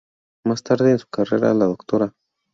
Más tarde en su carrera, la Dra.